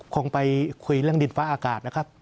คงไปคุยเรื่องดินฟ้าอากาศนะครับ